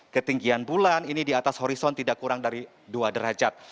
ketinggian bulan ini di atas horison tidak kurang dari dua derajat